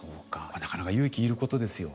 なかなか勇気要ることですよ。